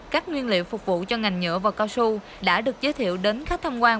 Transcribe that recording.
các nguyên liệu phục vụ cho ngành nhựa và cao su đã được giới thiệu đến khách tham quan